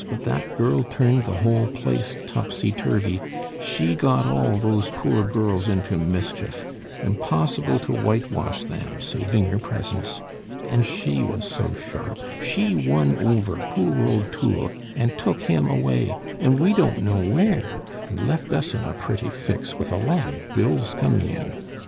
but that girl turned the whole place topsy turvy; she got all those poor girls into mischief impossible to whitewash them, saving your presence "And she was so sharp, she won over poor old Thoul, and took him away, and we don't know where, and left us in a pretty fix, with a lot of bills coming in.